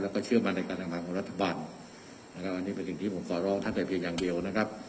แล้วก็เชื่อมั่นในการทำงานของรัฐบาลนะครับอันนี้เป็นสิ่งที่ผมขอร้องท่านแต่เพียงอย่างเดียวนะครับ